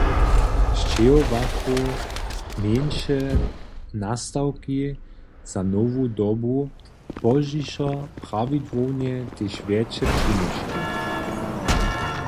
Sćěhowachu mjeńše nastawki za Nowu dobu, pozdźišo prawidłownje tež wjetše přinoški.